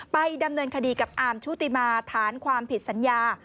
ไปดำเนินคดีกับอาร์มชุติมาฐานความผิดสัญญา